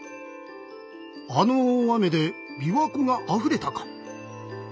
あの大雨でびわ湖があふれたか。